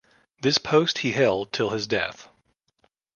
This post he held till his death.